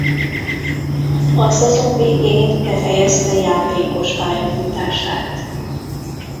A szezon végén befejezte játékos pályafutását.